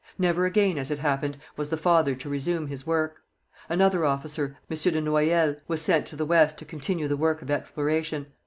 Never again, as it happened, was the father to resume his work. Another officer, M. de Noyelle, was sent to the West to continue the work of exploration.